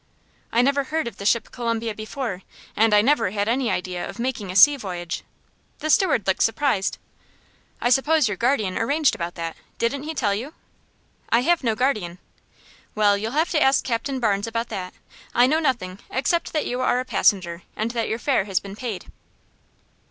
"I never heard of the ship Columbia before, and I never had any idea of making a sea voyage." The steward looked surprised. "I suppose your guardian arranged about that. Didn't he tell you?" "I have no guardian." "Well, you'll have to ask Capt. Barnes about that. I know nothing, except that you are a passenger, and that your fare has been paid."